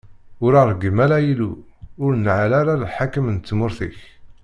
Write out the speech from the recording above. Ur reggem ara Illu, ur neɛɛel ara lḥakem n tmurt-ik.